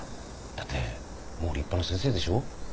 だってもう立派な先生でしょ？